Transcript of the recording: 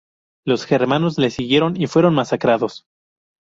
Los germanos les siguieron y fueron masacrados.